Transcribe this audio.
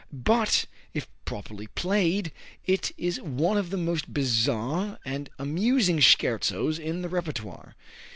But, if properly played, it is one of the most bizarre and amusing scherzos in the repertoire.